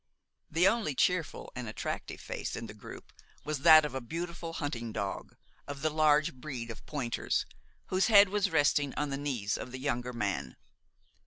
The only cheerful and attractive face in the group was that of a beautiful hunting dog, of the large breed of pointers, whose head was resting on the knees of the younger man.